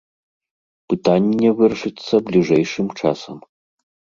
Пытанне вырашыцца бліжэйшым часам.